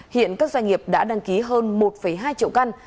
hiện các doanh nghiệp đã đăng ký hơn một hai triệu căn